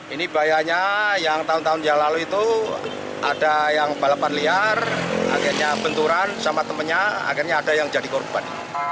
ini bahayanya yang tahun tahun yang lalu itu ada yang balapan liar akhirnya benturan sama temennya akhirnya ada yang jadi korban